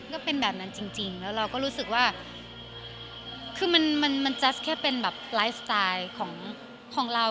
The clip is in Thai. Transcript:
ก็เป็นแบบนั้นจริงแล้วเราก็รู้สึกว่าคือมันจะแค่เป็นแบบไลฟ์สไตล์ของเรา